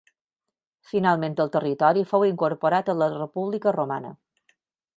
Finalment el territori fou incorporat a la República romana.